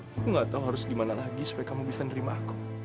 aku gak tau harus dimana lagi supaya kamu bisa nerima aku